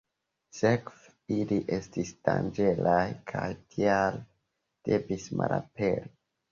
Sekve, ili estis danĝeraj kaj tial devis malaperi.